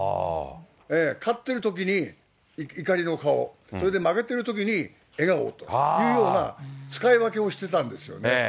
勝ってるときに怒りの顔、それで負けてるときに笑顔というような使い分けをしてたんですよね。